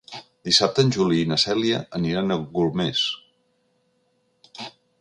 Dissabte en Juli i na Cèlia aniran a Golmés.